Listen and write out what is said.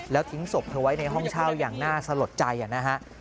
แล้วทิ้งศพเธอไว้ในห้องเช่าอย่างน่าสลดใจนะฮะ